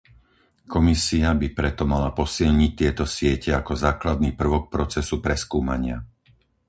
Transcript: Komisia by preto mala posilniť tieto siete ako základný prvok procesu preskúmania.